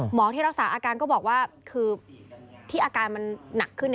ที่รักษาอาการก็บอกว่าคือที่อาการมันหนักขึ้น